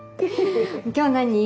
今日何？